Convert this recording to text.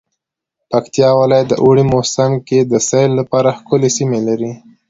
پکتيا ولايت د اوړی موسم کی د سیل لپاره ښکلی سیمې لری